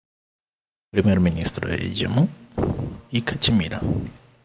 Primer Ministro de Jammu y Cachemira.